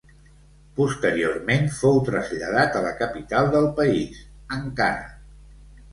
Posteriorment fou traslladat a la capital del país, Ankara.